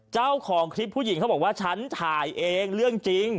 เจ้าของคลิปผู้หญิงเขาบอกว่าฉันถ่ายเองเรื่องจริง